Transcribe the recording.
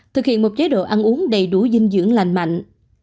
thực hiện một chế độ ăn uống đầy đủ dinh dưỡng lành mạnh